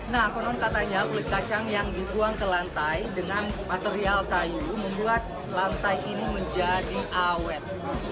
nah konon katanya kulit kacang yang dibuang ke lantai dengan material kayu membuat lantai ini menjadi awet